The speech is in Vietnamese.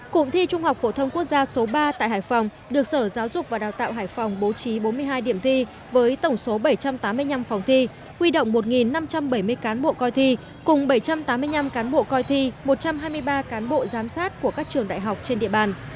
cụm thi trung học phổ thông quốc gia số ba tại hải phòng được sở giáo dục và đào tạo hải phòng bố trí bốn mươi hai điểm thi với tổng số bảy trăm tám mươi năm phòng thi huy động một năm trăm bảy mươi cán bộ coi thi cùng bảy trăm tám mươi năm cán bộ coi thi một trăm hai mươi ba cán bộ giám sát của các trường đại học trên địa bàn